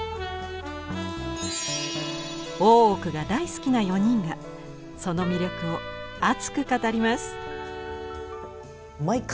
「大奥」が大好きな４人がその魅力を熱く語ります。